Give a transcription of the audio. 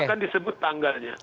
bahkan disebut tanggalnya